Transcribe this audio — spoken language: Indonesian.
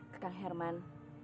ke kang herman